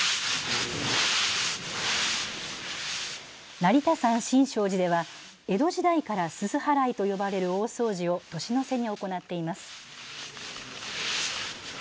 成田山新勝寺では江戸時代からすす払いと呼ばれる大掃除を年の瀬に行っています。